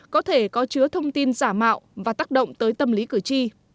có thể có chứa thông tin giả mạo và tác động tới tâm lý cử tri